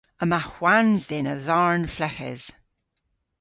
Yma hwans dhyn a dharn fleghes.